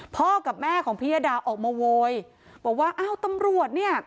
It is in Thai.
พ่อกับแม่ของพิยดาออกมาโวยบอกว่าอ้าวตำรวจเนี่ย